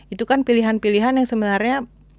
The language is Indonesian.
itu kan pilihan pilihan yang sebenarnya